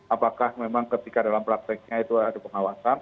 apakah memang ketika dalam prakteknya itu ada pengawasan